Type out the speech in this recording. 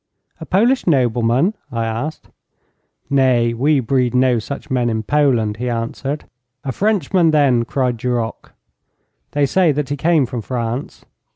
'A Polish nobleman?' I asked. 'Nay, we breed no such men in Poland,' he answered. 'A Frenchman, then?' cried Duroc. 'They say that he came from France.'